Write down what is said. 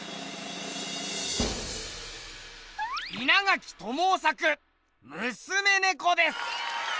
稲垣知雄作「娘猫」です。